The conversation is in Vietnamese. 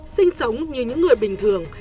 sinh sống như những người bình thường